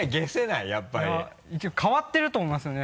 いや変わってると思いますよね